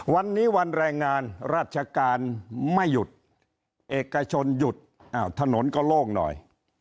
วันนี้วันแรงงานราชการไม่หยุดเอกชนหยุดถนนก็โล่งหน่อย